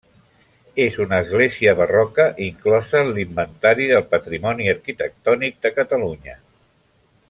És una església barroca inclosa en l'Inventari del Patrimoni Arquitectònic de Catalunya.